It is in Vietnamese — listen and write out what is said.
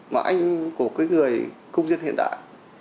mà anh của cái người công dân hiện đại